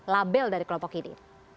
label dari kelompok ini